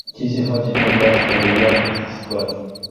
Ce se face pentru a supraveghea această situație?